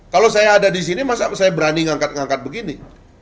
kalau saya ada di sini masa saya berani ngangkat ngangkat begini